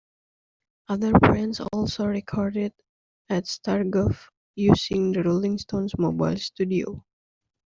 Other bands also recorded at Stargroves using the Rolling Stones Mobile Studio.